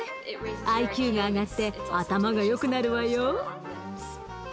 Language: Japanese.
ＩＱが上がって頭が良くなるわよ。